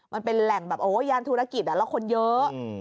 มันเป็นแหล่งแบบโอ้ย่านธุรกิจแล้วคนเยอะ